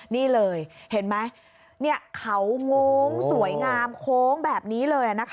นี่เลยเห็นไหมเขาโง้งสวยงามโค้งแบบนี้เลย